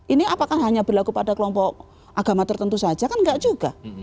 ini apakah hanya berlaku pada kelompok agama tertentu saja kan enggak juga